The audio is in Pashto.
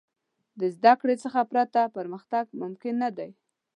د زدهکړې څخه پرته، پرمختګ ممکن نه دی.